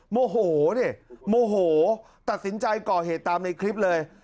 โมโหดิโมโหตัดสินใจก่อเหตุตามในคลิปเลย